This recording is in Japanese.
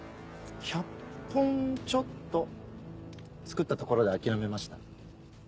１００本ちょっと作ったところで諦めました。